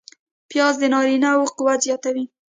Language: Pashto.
پیاز د نارینه و قوت زیاتوي